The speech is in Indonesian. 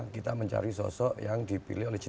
kita mencari sosok yang dipilih oleh jokowi